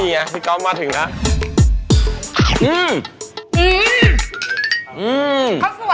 นี่ไงพี่ก๊อฟมาถึงแล้ว